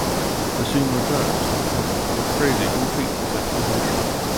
The scene returns to the present where Krazy completes his explanation.